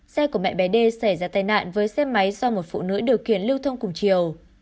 xe của mẹ bé đê xảy ra tai nạn với xe máy do một phụ nữ điều khiển lưu thông cùng chiều